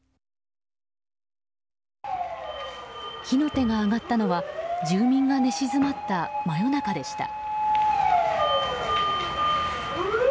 火の手が上がったのは住民が寝静まった真夜中でした。